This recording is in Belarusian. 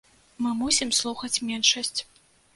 Мы мусім слухаць меншасць.